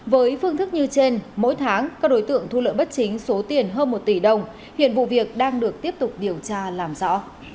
với phương thức như trên mỗi tháng các đối tượng thu lợi bất chính số tiền hơn một tỷ đồng hiện vụ việc đang được tiếp tục điều tra làm rõ